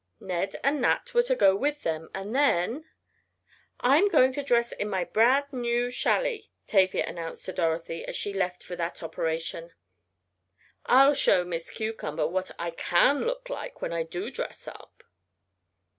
Ned and Nat were to go with them and then "I am going to dress in my brand new challie," Tavia announced to Dorothy, as she left for that operation. "I'll show Miss Cucumber what I can look like when I do dress up."